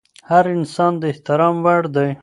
هر انسان د احترام وړ دی.